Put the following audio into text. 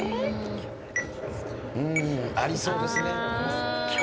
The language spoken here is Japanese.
うーんありそうですね。